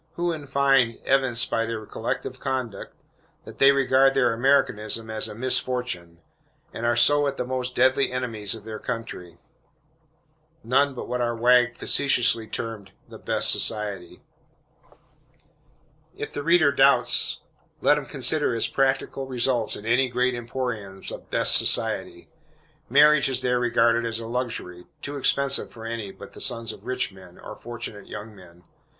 Who, in fine, evince by their collective conduct, that they regard their Americanism as a misfortune, and are so the most deadly enemies of their country? None but what our wag facetiously termed "the best society." If the reader doubts, let him consider its practical results in any great emporiums of "best society." Marriage is there regarded as a luxury, too expensive for any but the sons of rich men, or fortunate young men.